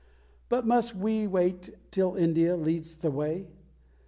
But must we wait till India leads the way?